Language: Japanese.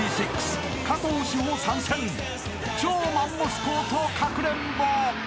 ［超マンモス校とかくれんぼ］